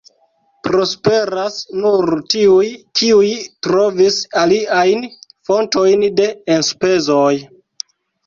Prosperas nur tiuj, kiuj trovis aliajn fontojn de enspezoj.